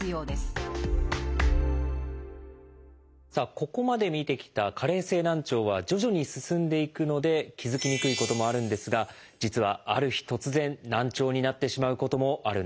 ここまで見てきた加齢性難聴は徐々に進んでいくので気付きにくいこともあるんですが実はある日突然難聴になってしまうこともあるんです。